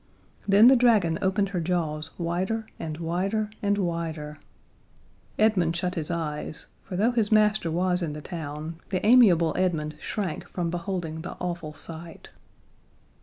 Then the dragon opened her jaws wider and wider and wider. Edmund shut his eyes, for though his master was in the town, the amiable Edmund shrank from beholding the awful sight.